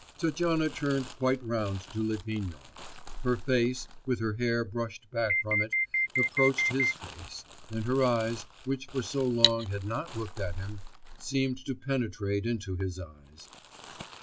Tatyana turned quite round to Litvinov; her face, with her hair brushed back from it, approached his face, and her eyes, which for so long had not looked at him, seemed to penetrate into his eyes.